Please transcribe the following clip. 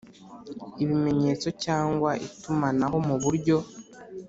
ibimenyetso cyangwa itumanaho mu buryo